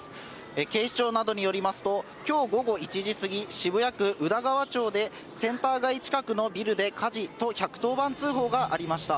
警視庁などによりますと、きょう午後１時過ぎ、渋谷区宇田川町でセンター街近くのビルで火事と１１０番通報がありました。